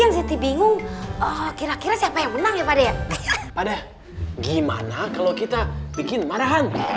kan siti bingung kira kira siapa yang menang ya pada ya pada gimana kalau kita bikin marahan